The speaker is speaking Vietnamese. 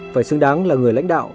phải xứng đáng là người lãnh đạo